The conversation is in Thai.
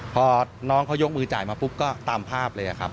พอน้องเขายกมือจ่ายมาปุ๊บก็ตามภาพเลยครับ